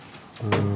うん。